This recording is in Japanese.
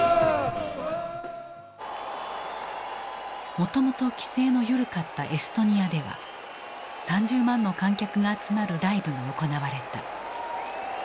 もともと規制の緩かったエストニアでは３０万の観客が集まるライブが行われた。